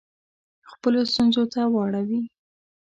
خپلو ستونزو ته واړوي.